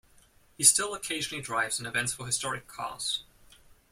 He still occasionally drives in events for historic cars.